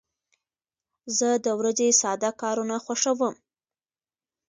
زه د ورځې ساده کارونه خوښوم.